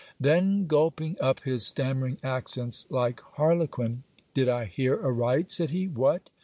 Then gulping up his stammering accents like harlequin, Did I hear aright? said he. What!